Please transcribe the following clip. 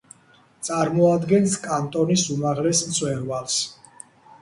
წარმოადგენს კანტონის უმაღლეს მწვერვალს.